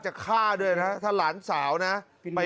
จะฆ่าด้วยนะถ้าหลานสาวนะ